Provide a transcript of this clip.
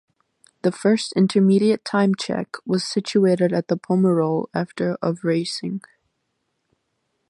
The first intermediate time check was situated at Pomerol after of racing.